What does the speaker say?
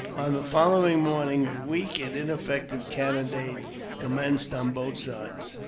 On the following morning a weak and ineffective cannonade commenced on both sides.